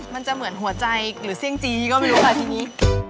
มันจะเหมือนหัวใจหรือเสี่ยงจีก็ไม่รู้ค่ะทีนี้